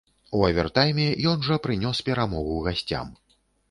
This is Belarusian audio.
У авертайме ён жа прынёс перамогу гасцям.